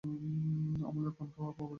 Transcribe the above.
অমলের পান খাওয়া অপরিমিত ছিল।